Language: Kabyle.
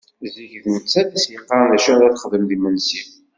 Zik, d netta i d as-d-yeqqaren d acu ara d-texdem d imensi.